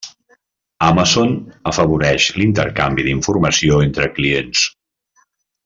Amazon afavoreix l'intercanvi d'informació entre clients.